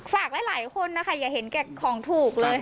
ฝากหลายคนนะคะอย่าเห็นแก่ของถูกเลย